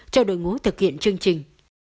cho đội ngũ thực hiện chương trình